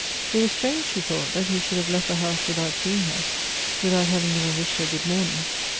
It was strange, she thought, that he should have left the house without seeing her, without having even wished her good morning.